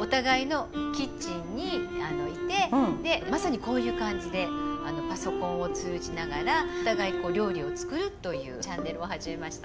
お互いのキッチンにいてまさにこういう感じでパソコンを通じながらお互い料理を作るというチャンネルを始めました。